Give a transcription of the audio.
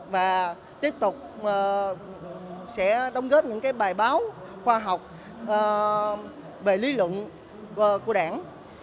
và tiếp tục sẽ đồng góp những bài báo khoa học về lý luận của đảng